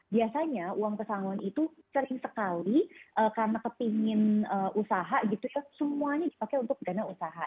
biasanya uang kesanggung itu sering sekali karena kepengen usaha gitu ya semuanya dipakai untuk gana usaha